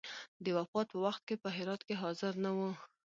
د وفات په وخت کې په هرات کې حاضر نه وو.